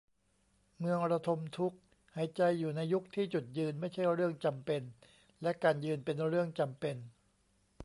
เมืองระทมทุกข์ : หายใจอยู่ในยุคที่ จุดยืนไม่ใช่เรื่องจำเป็น และ การยืนเป็นเรื่องจำเป็น